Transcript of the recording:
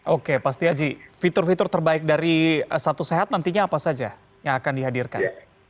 oke pak setiaji fitur fitur terbaik dari satu sehat nantinya apa saja yang akan dihadirkan